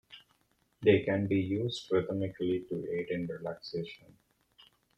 They can be used rhythmically to aid in relaxation.